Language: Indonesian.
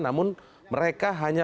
namun mereka hanya